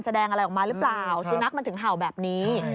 แสดงอะไรออกมาหรือเปล่าสุนัขมันถึงเห่าแบบนี้